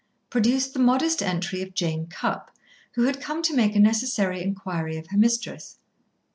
produced the modest entry of Jane Cupp, who had come to make a necessary inquiry of her mistress.